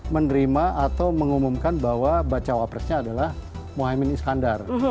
menerima atau mengumumkan bahwa bacawapresnya adalah mohaimin iskandar